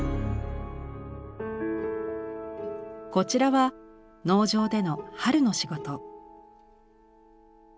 こちらは農場での春の仕事。